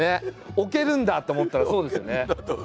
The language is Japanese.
置けるんだ！って思ったらそうですよね。